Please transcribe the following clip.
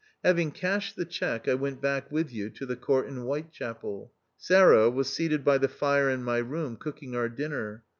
Having cashed the cheque, I went back with you to the court in Whitechapel. Sarah was seated by the fire in my room cooking our dinner.